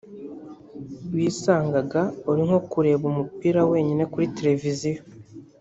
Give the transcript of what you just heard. wisangaga uri nko kureba umupira wenyine kuri televiziyo